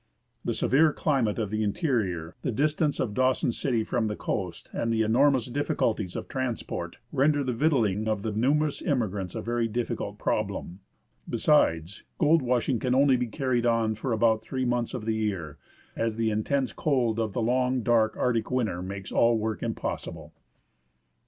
The severe climate of the interior, the dis tance of Dawson City from the coast, and the enormous difficulties of transport, render the victualling of the numerous immigrants a very difficult problem. 28 A CHURCH IN JUNEAU. S o < C z o ►J s o <; FROM SEATTLE TO JUNEAU Besides, gold washing can only be carried on for about three months of the year, as the intense cold of the long, dark Arctic winter makes all work impossible.